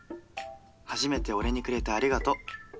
初めてを俺にくれてありがとう。